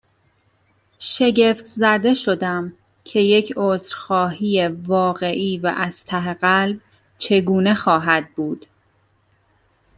شگفت زده شدم، که یک عذرخواهی واقعی و از ته قلب چگونه خواهد بود؟